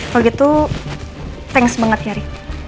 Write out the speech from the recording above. kalo gitu thanks banget ya rick